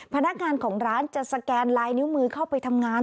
พนักงานของร้านจะสแกนลายนิ้วมือเข้าไปทำงาน